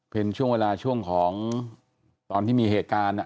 เป็นช่วงเวลาช่วงของตอนที่มีเหตุการณ์